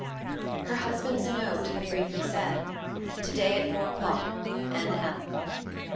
HER husband's note had briefly said: "To day at four o'clock. N.L."